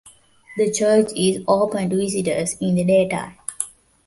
The church is open to visitors in the daytime.